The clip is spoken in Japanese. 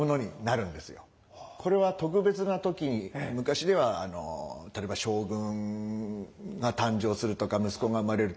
これは特別な時に昔では例えば将軍が誕生するとか息子が生まれるとか